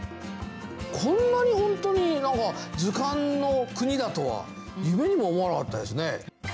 こんなに本当に図鑑の国だとは夢にも思わなかったですね。